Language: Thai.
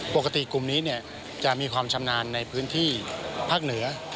กลุ่มนี้จะมีความชำนาญในพื้นที่ภาคเหนือ